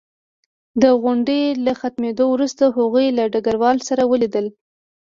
د غونډې له ختمېدو وروسته هغوی له ډګروال سره ولیدل